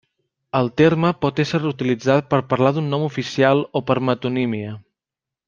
El terme pot ésser utilitzat per parlar d'un nom oficial o per metonímia.